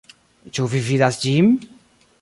Ĉu vi vidas ĝin?